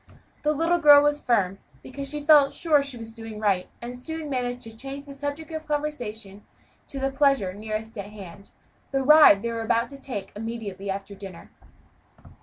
The little girl was firm, because she felt sure she was doing right, and soon managed to change the subject of conversation to the pleasure nearest at hand the ride they were to take immediately after dinner.